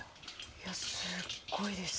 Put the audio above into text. いやすっごいです。